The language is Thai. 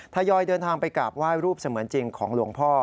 ทยอยเดินทางไปกราบไหว้รูปเสมือนจริงของหลวงพ่อ